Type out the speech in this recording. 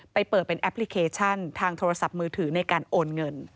เปิดเป็นแอปพลิเคชันทางโทรศัพท์มือถือในการโอนเงิน